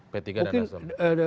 p tiga dan nasdem